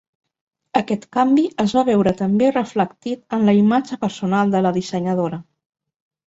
Aquest canvi es va veure també reflectit en la imatge personal de la dissenyadora.